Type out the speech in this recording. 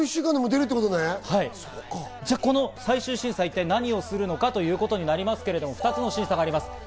最終審査、一体何をするのかということになりますけど、２つの審査があります。